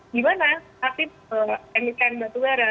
gimana aktif emiten batubara